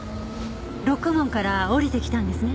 ろくもんから降りてきたんですね？